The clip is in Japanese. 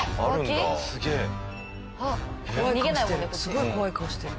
すごい怖い顔してる。